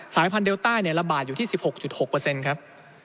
สายพันธุเดลต้าระบาดอยู่ที่๑๖๖ครับ